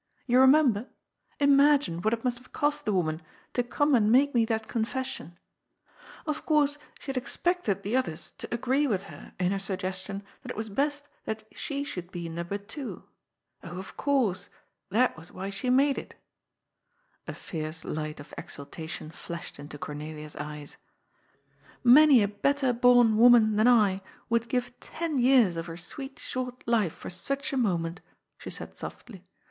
You remember ? Imagine what it must have cost the woman to come and make me that confession*! Of course she had expected the others to agree with her in her suggestion that it was best that she should be number two. Oh, of course ; that was why she made it !" •^a fierce light of exultation flashed into Cornelia's eyes. " Many a better bom woman than I would give ten years of her sweet, short life for such a moment," she said softly.